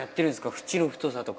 縁の太さとか。